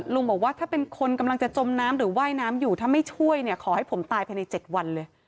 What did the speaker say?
ลุงบอกว่าถ้าเป็นคนกำลังจะจมน้ำหรือว่ายน้ำอยู่ถ้าไม่ช่วยเนี่ยขอให้ผมตายภายใน๗วันเลย